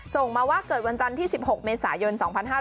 ส่งมาว่าเกิดวันจันทร์ที่๑๖เมษายน๒๕๕๙